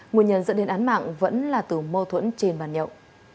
nguyên nhân dẫn đến án mạng vẫn là từ mâu thuẫn trên bàn nhậu